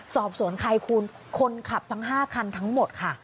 สอบสวนใครคุณคนขับทั้ง๕คันทั้งหมดค่ะ